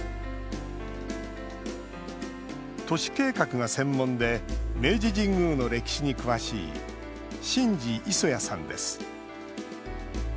都市計画が専門で明治神宮の歴史に詳しい進士五十八さんです。